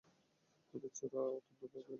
ওদের ছোড়া তন্তুটা কেটে ফেলো!